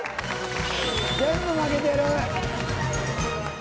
全部負けてる！